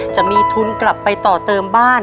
จะมีทุนกลับไปต่อเติมบ้าน